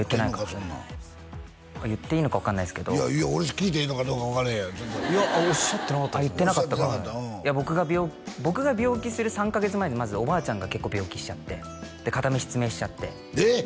そんなん言っていいのか分かんないですけど聞いていいのかどうか分からへんやんおっしゃってなかったですねあっ言ってなかったかいや僕が僕が病気する３カ月前にまずおばあちゃんが結構病気しちゃってで片目失明しちゃってえっ！？